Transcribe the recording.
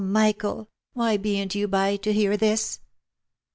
Michael! why beant you by to hear this?"